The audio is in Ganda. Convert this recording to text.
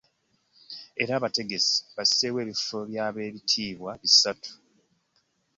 Era abategesi basseewo ebifo by’abeekitiibwa bisatu.